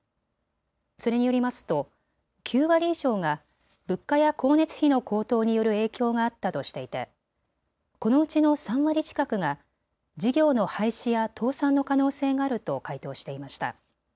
それによりますと９割以上が物価や光熱費の高騰による影響があったとしていてこのうちの３割近くが事業の廃止や倒産の可能性があると回答していました。